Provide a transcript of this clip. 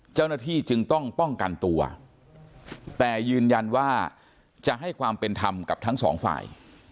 เจ้าหน้าที่จึงต้องป้องกันตัวแต่ยืนยันว่าจะให้ความเป็นธรรมกับทั้งสองฝ่าย